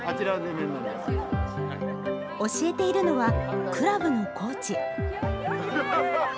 教えているのはクラブのコーチ。